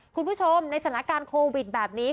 คุณผู้ชมในสถานการณ์โควิดแบบนี้